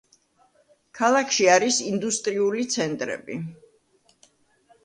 ქალაქში არის ინდუსტრიული ცენტრები.